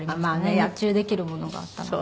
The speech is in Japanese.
熱中できるものがあったので。